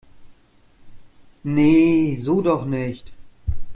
Nee, so doch nicht!